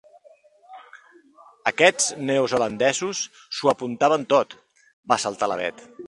Aquests neozelandesos s'ho apuntaven tot! —va saltar la Bet.